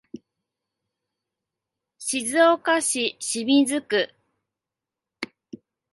静岡市清水区